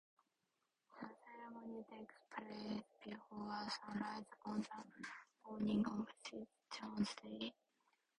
The ceremony takes place before sunrise on the morning of St. John's Day.